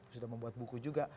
sudah membuat buku juga